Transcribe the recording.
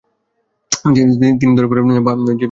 তিনি ধরে ফেলেন যে এসব প্রতারনা।